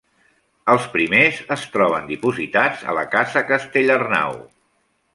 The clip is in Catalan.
Els primers es troben dipositats a la Casa Castellarnau.